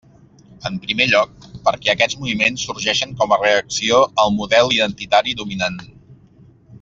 En primer lloc, perquè aquests moviments sorgeixen com a reacció al model identitari dominant.